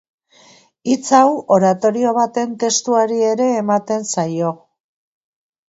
Hitz hau, oratorio baten testuari ere ematen zaio.